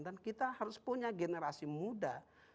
dan kita harus punya generasi muda